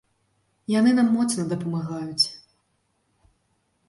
Яны нам моцна дапамагаюць.